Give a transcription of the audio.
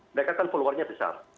mereka kan followernya besar